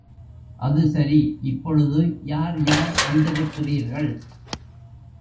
அது சரி இப்பொழுது யார் யார் வந்திருக்கிறீர்கள்.